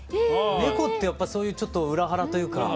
猫ってやっぱそういうちょっと裏腹というかそういうとこ。